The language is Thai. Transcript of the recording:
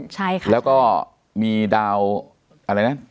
ใช่ค่ะแล้วก็มีดาวอะไรนะ